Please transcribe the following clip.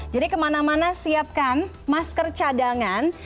jadi kemana mana siapkan masker cadangan